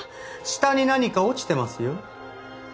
下に何か落ちてますよ。